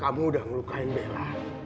kamu udah ngelukain bella